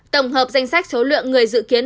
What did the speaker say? tổng hợp danh sách số lượng người dự kiến